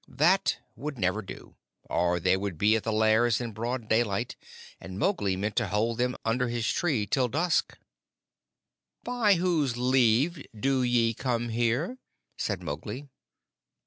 That would never do, or they would be at the Lairs in broad daylight, and Mowgli intended to hold them under his tree till dusk. "By whose leave do ye come here?" said Mowgli.